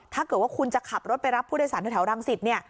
ถ้าเกิดว่าคุณจะขับรถไปรับผู้โดยสารแถวรังสิตเนี่ย